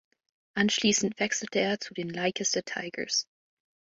Anschließend wechselte er zu den Leicester Tigers.